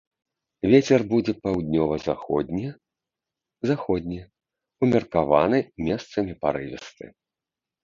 Вецер будзе паўднёва-заходні, заходні, умеркаваны, месцамі парывісты.